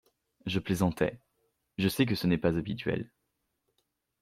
Je plaisantais, je sais que ce n’est pas habituel.